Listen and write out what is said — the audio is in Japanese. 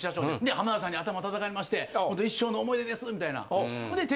浜田さんに頭叩かれましてほんと一生の思い出です」みたいな。